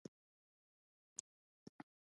افغان لوبغاړي په نړۍ کې نوم لري.